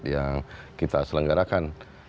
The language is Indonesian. yang kita selenggarakan